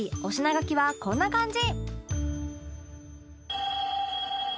お品書きはこんな感じ